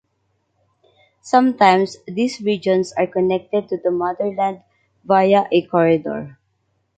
Sometimes, these regions are connected to the motherland via a corridor.